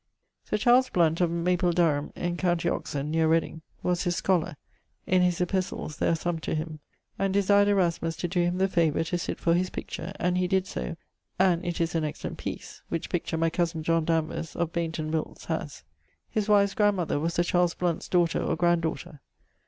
Sir Charles Blount, of Maple Durham, in com. Oxon. (neer Reding), was his scholar (in his Epistles there are some to him), and desired Erasmus to doe him the favour to sitt for his picture, and he did so, and it is an excellent piece: which picture my cosen John Danvers, of Baynton (Wilts), haz: his wive's grandmother was Sir Charles Blount's daughter or grand daughter.